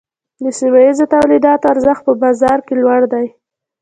د سیمه ییزو تولیداتو ارزښت په بازار کې لوړ دی۔